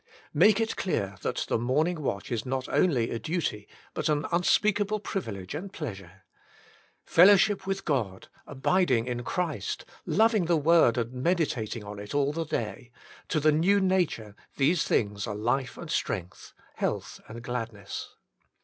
Make it clear that the morning watch is not only a duty, but an unspeakable privilege and pleasure. Fellowship with God, abiding in Christ, loving the Word and meditating on it all the day — to the new nature these things are life and strength, health and gladness.